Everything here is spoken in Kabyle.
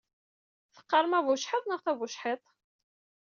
Teqqarem abucḥiḍ neɣ tabucḥiḍt?